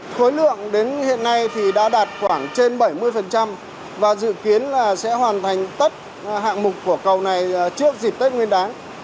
khối lượng đến hiện nay thì đã đạt khoảng trên bảy mươi và dự kiến là sẽ hoàn thành tất hạng mục của cầu này trước dịp tết nguyên đán